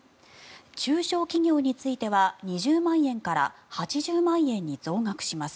中小企業については２０万円から８０万円に増額します。